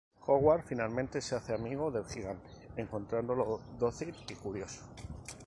Hogarth finalmente se hace amigo del gigante, encontrándolo dócil y curioso.